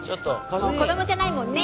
もう子供じゃないもんね